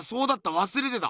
わすれてた。